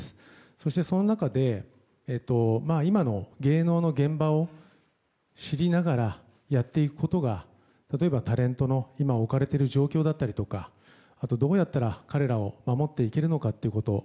そして、その中で今の芸能の現場を知りながらやっていくことが例えばタレントの今置かれている状況だったりとかあと、どうやったら彼らを守っていけるのかということ。